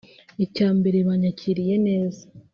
icya mbere banyakiriye neza